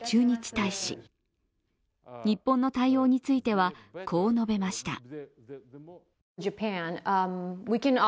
日本の対応については、こう述べました。